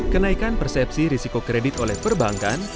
kenaikan persepsi risiko kredit oleh perbankan